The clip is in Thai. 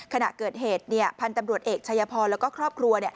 ขณะเกิดเหตุพันธุ์ตำรวจเอกชายพรแล้วก็ครอบครัว